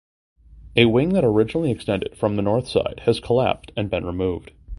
A wing that originally extended from the north side has collapsed and been removed.